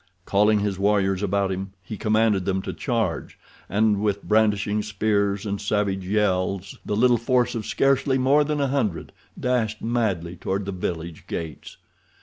Calling his warriors about him, he commanded them to charge, and, with brandishing spears and savage yells, the little force of scarcely more than a hundred dashed madly toward the village gates.